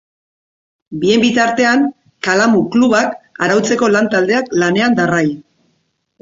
Bien bitartean, kalamu-klubak arautzeko lan taldeak lanean darrai.